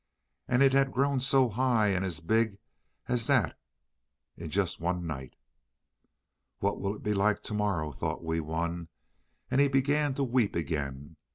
And it had grown so high and as big as that in just one night. "What will it be like to morrow?" thought Wee Wun, and he began to weep again.